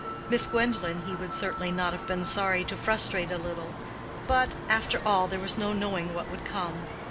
Miss Gwendolen he would certainly not have been sorry to frustrate a little, but—after all there was no knowing what would come.